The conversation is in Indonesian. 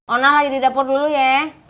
olah lagi di dapur dulu ya